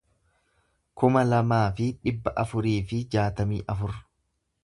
kuma lamaa fi dhibba afurii fi jaatamii afur